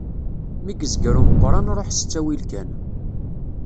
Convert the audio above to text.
Mi yezger umeqran ruḥ s ttawil kan.